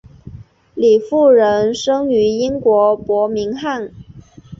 李福仁生于英国伯明翰。